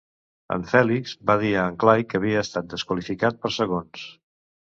En Fèlix va dir a en Clay que havia estat desqualificat per segons.